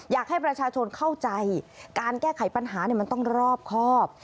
อยากให้ประชาชนเข้าใจการแก้ไขปัญหามันต้องรอบครอบ